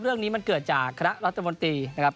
เรื่องนี้มันเกิดจากคณะรัฐมนตรีนะครับ